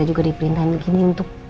kita juga diperintahin begini